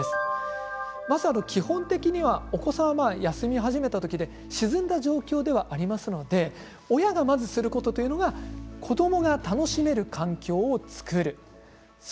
基本的にはお子さんが休み始めた時で沈んだ状況でありますので親が、まずすることは子どもが楽しめる環境を作ること。